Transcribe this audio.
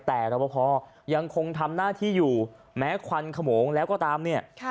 แต่รับประพอยังคงทำหน้าที่อยู่แม้ควันขโมงแล้วก็ตามเนี่ย